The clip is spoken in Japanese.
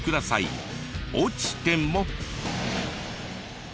落ちても。